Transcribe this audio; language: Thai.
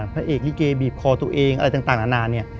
พระเอกลิเกบีบคอตัวเองอะไรต่างนานาเนี่ย